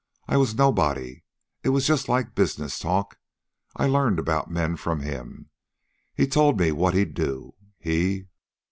I was nobody. It was just like a business talk. I learned about men from him. He told me what he'd do. He..."